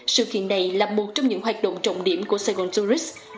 sự kiện này là một trong những hoạt động trọng điểm của saigon tourist